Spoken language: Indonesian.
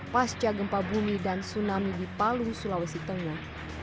pasca gempa bumi dan tsunami di palu sulawesi tengah